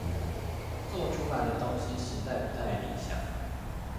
做出來的東西實在不太理想